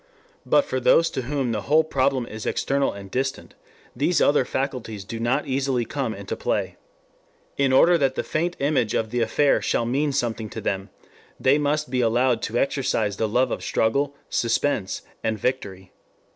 But for those to whom the whole problem is external and distant, these other faculties do not easily come into play. In order that the faint image of the affair shall mean something to them, they must be allowed to exercise the love of struggle, suspense, and victory.